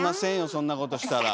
そんなことしたら。